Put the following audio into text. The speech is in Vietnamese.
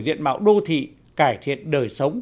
diện mạo đô thị cải thiện đời sống